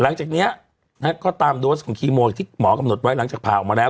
หลังจากนี้ก็ตามโดสของคีโมที่หมอกำหนดไว้หลังจากผ่าออกมาแล้ว